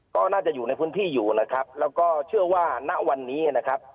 ก็น่าจะอยู่ในพื้นที่อยู่นะครับแล้วก็เชื่อว่าณวันนี้นะครับ